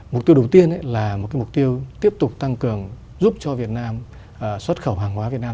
mục tiêu đầu tiên là một mục tiêu tiếp tục tăng cường giúp cho việt nam xuất khẩu hàng hóa việt nam